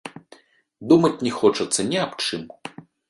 Думаць не хочацца ні аб чым.